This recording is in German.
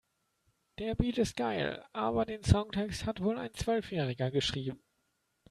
Der Beat ist geil, aber den Songtext hat wohl ein Zwölfjähriger geschrieben.